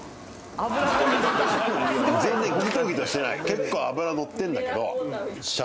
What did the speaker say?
結構脂乗ってんだけど。